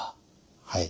はい。